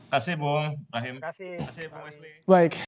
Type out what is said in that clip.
terima kasih bung rahim